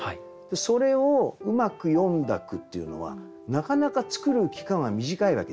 それをうまく詠んだ句っていうのはなかなか作る期間は短いわけですよ。